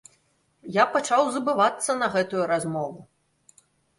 Я пачаў забывацца на гэтую размову.